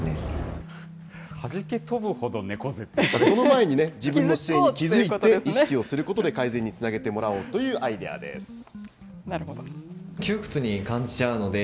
その前に自分の姿勢に気付いて意識をすることで、改善につなげてもらおうというアイデアです。